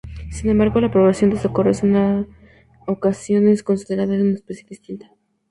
Sin embargo, la población de Socorro es en ocasiones considerada una especie distinta.